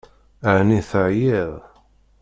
Ɛni teɛyiḍ?